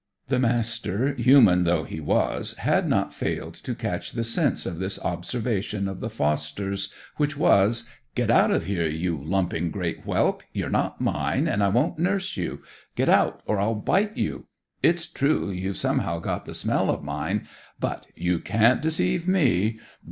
The Master, human though he was, had not failed to catch the sense of this observation of the foster's, which was: "Get out of here, you lumping great whelp! You're not mine, and I won't nurse you. Get out, or I'll bite. It's true you've somehow got the smell of mine; but you can't deceive me.